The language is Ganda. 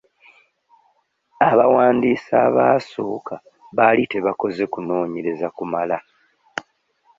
Abawandiisi abaasooka baali tebakoze kunoonyereza kumala.